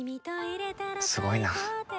すごいな。